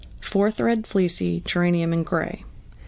Four thread fleecy, geranium and grey.